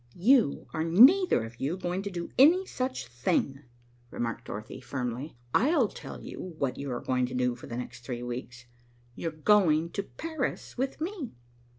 "You are neither of you going to do any such thing," remarked Dorothy firmly. "I'll tell you what you are going to do for the next three weeks. You're going to Paris with me."